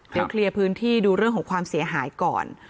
เดี๋ยวเคลียร์พื้นที่ดูเรื่องของความเสียหายก่อน